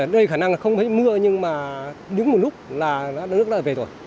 đây khả năng là không phải mưa nhưng mà đứng một lúc là nước đã về rồi